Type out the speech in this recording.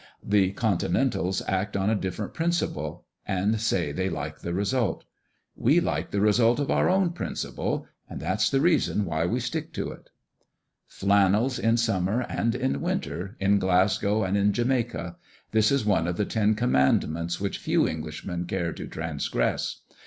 The Continentals act on a different principle, and say they like the result. We like the result of our own principle, and that's the reason why we stick to it." Flannels in summer and in winter, in Glasgow and in Jamaica; this is one of the ten commandments which few Englishmen care to transgress.